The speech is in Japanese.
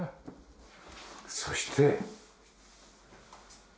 そして。